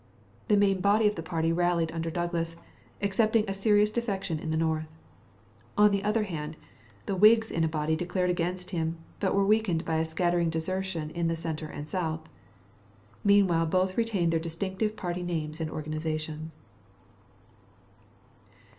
The main body of the party rallied under Douglas, excepting a serious defection in the north; on the other hand, the Whigs in a body declared against him, but were weakened by a scattering desertion in the center and south. Meanwhile both retained their distinctive party names and organizations.